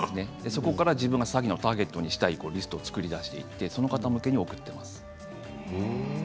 そこから自分を詐欺のターゲットにしたリストを作り出してその方向けに送っています。